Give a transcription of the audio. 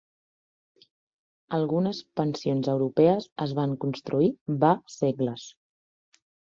Algunes pensions europees es van construir va segles.